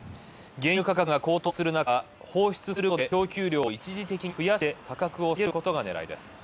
原油価格が高騰するなか、放出することで供給量を一時的に増やして価格を下げることが狙いです。